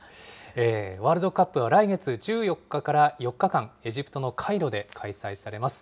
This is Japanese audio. ワールドカップは来月１４日から４日間、エジプトのカイロで開催されます。